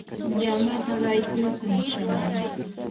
llamata qaykuy kunchaman.